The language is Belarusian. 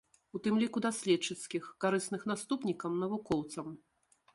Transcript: У тым ліку даследчыцкіх, карысных наступнікам-навукоўцам.